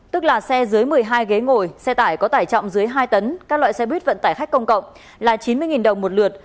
tức là xe dưới một mươi hai ghế ngồi xe tải có tải trọng dưới hai tấn các loại xe buýt vận tải khách công cộng là chín mươi đồng một lượt